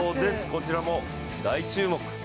こちらも大注目。